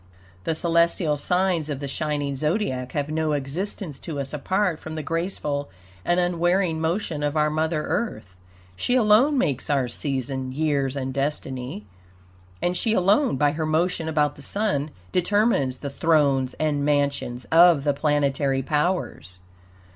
The celestial signs of the shining Zodiac have no existence to us apart from the graceful and unwearying motion of our Mother Earth. She alone makes our seasons, years and destiny; and she alone, by her motion about the Sun, determines the thrones and mansions of the planetary powers.